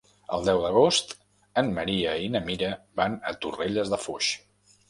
El deu d'agost en Maria i na Mira van a Torrelles de Foix.